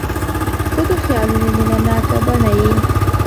• ته د خیالونو مینهناکه بڼه یې.